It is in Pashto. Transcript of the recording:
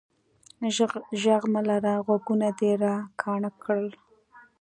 ږغ مه لره، غوږونه دي را کاڼه کړل.